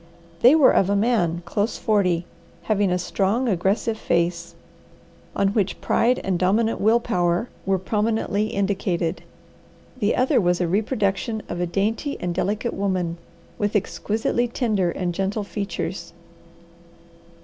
They were of a man close forty, having a strong, aggressive face, on which pride and dominant will power were prominently indicated. The other was a reproduction of a dainty and delicate woman, with exquisitely tender and gentle features.